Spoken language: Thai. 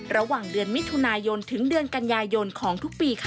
ระหว่างเดือนมิถุนายนถึงเดือนกันยายนของทุกปีค่ะ